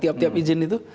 tiap tiap izin itu